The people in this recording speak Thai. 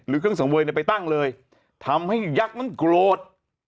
หรือเครื่องเสมอเวยไปตั้งเลยทำให้อย่างมันโกรธ